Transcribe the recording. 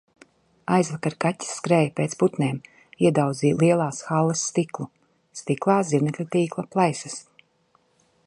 Aizvakar kaķis skrēja pēc putniem, iedauzīja lielās halles stiklu. Stiklā zirnekļtīkla plaisas.